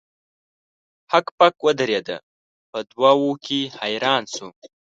هک پک ودریده په دوه وو کې حیران شو.